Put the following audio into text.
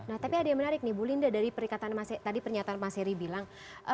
nah tapi ada yang menarik nih bu linda dari tadi pernyataan mas heri bilang